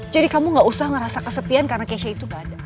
jadi kamu gak usah ngerasa kesepian karena keisha itu gak ada